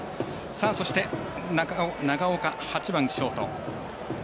そして、長岡、８番ショート。